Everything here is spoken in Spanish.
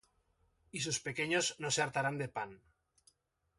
Y sus pequeños no se hartarán de pan;